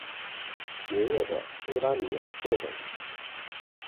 邪恶的维拉米尔寇等。